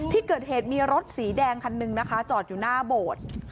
ที่เกิดเหตุมีรถสีแดงคันหนึ่งนะคะจอดอยู่หน้าโบสถ์